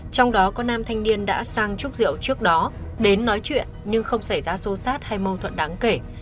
trong đó có nam thanh niên đã sang trúc rượu trước đó đến nói chuyện nhưng không xảy ra xô xát hay mâu thuẫn đáng kể